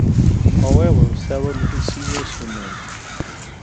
However, several Little Caesars remain.